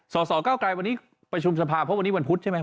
สสเก้าไกรวันนี้ประชุมสภาเพราะวันนี้วันพุธใช่ไหม